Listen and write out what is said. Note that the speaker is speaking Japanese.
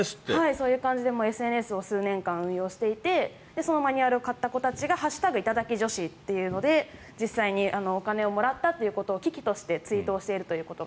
そういう感じでＳＮＳを数年間運用していてそのマニュアルを買った子たちが「＃頂き女子」というので実際にお金をもらったことを喜々としてツイートしていることが。